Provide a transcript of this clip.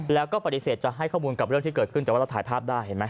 แล้วก็ปฏิเสธจะให้ข้อมูลกับเรื่องที่เกิดขึ้นแต่ว่าเราถ่ายภาพได้เห็นไหม